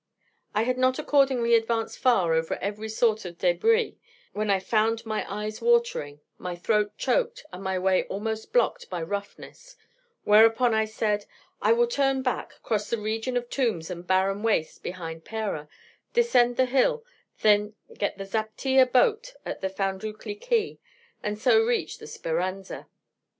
I had not accordingly advanced far over every sort of débris, when I found my eyes watering, my throat choked, and my way almost blocked by roughness: whereupon I said: 'I will turn back, cross the region of tombs and barren waste behind Pera, descend the hill, get the zaptia boat at the Foundoucli quay, and so reach the Speranza.'